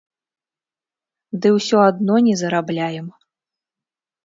Ды ўсё адно не зарабляем.